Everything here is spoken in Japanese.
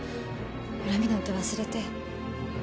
恨みなんて忘れて。